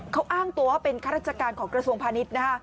เขาอ้างตัวว่าเป็นข้าราชการของกระทรวงพาณิชย์นะฮะ